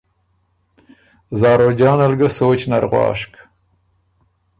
زاروجانه ل ګۀ سوچ نر غواشک